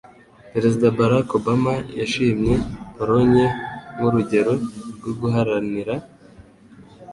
Perezida Barack Obama yashimye Polonye nk'urugero rwo guharanira